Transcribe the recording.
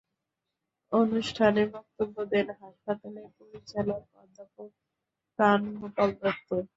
অনুষ্ঠানে বক্তব্য দেন হাসপাতালের পরিচালক অধ্যাপক প্রাণ গোপাল দত্ত।